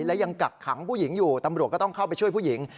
และยังกักขังผู้หญิงอยู่ตำรวจก็ต้องเข้าไปช่วยผู้หญิง